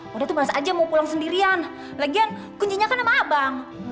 udah tuh mas aja mau pulang sendirian lagian kuncinya kan sama abang